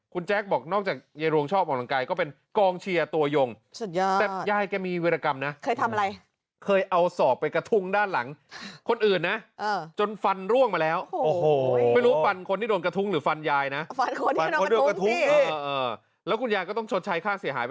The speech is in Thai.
คุณแจ๊คบอกนอกจากยายรวงชอบออกรังกายก็เป็นกองเชียร์ตัวยงค์